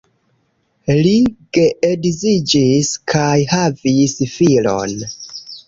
Li geedziĝis kaj havis filon.